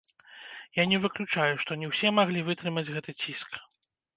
Я не выключаю, што не ўсе маглі вытрымаць гэты ціск.